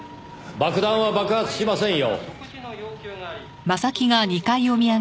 爆弾は爆発しませんよ！